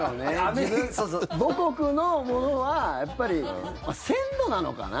母国のものはやっぱり鮮度なのかな。